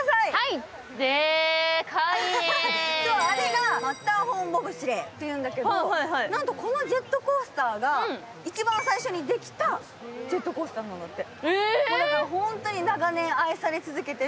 あれがマッターホーン・ボブスレーというんだけど、なんとこのジェットコースターが一番最初にできたジェットコースターなんだって。